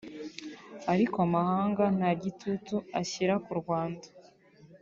ariko amahanga nta gitutu ashyira ku Rwanda”